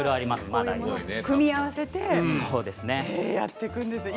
これを組み合わせてやっていくんですね。